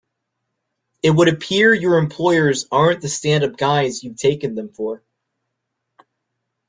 It would appear your employers aren't the stand up guys you'd taken them for.